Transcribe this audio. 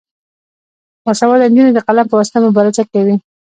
باسواده نجونې د قلم په واسطه مبارزه کوي.